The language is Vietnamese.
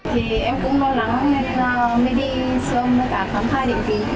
thì em cũng lo lắng nên mới đi siêu âm với cả khám thai định ký